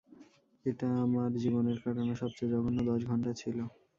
এটা আমার জীবনের কাটানো সবচেয়ে জঘন্য দশ ঘন্টা ছিল।